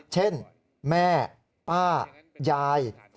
เช่นแม่ป้ายาย